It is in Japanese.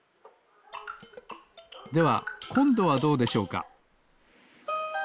ではこんどはどうでしょうか？